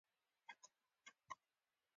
له پاميره او چتراله تر ملک تور غرونو پورې.